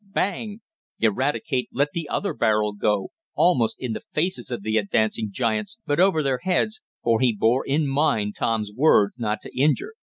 BANG! Eradicate let the other barrel go, almost in the faces of the advancing giants, but over their heads, for he bore in mind Tom's words not to injure.